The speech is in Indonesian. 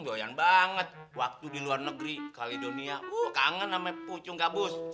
doyan banget waktu di luar negeri kaledonia kangen sama pocong gabus